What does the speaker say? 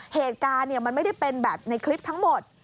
เหตุการณ์มันไม่ได้เป็นแบบในคลิปทั้งหมด